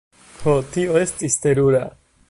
Ho, tio estis terura!